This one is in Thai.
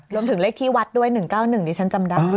รวมถึงเลขที่วัดด้วย๑๙๑ดิฉันจำได้